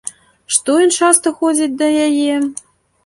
Што ён часта ходзіць да яе?